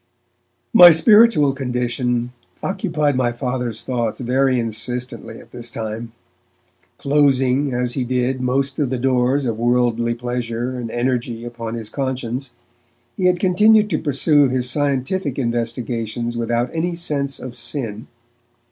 My spiritual condition occupied my Father's thoughts very insistently at this time. Closing, as he did, most of the doors of worldly pleasure and energy upon his conscience, he had continued to pursue his scientific investigations without any sense of sin.